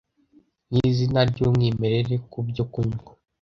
nizina ryumwimerere kubyo kunywa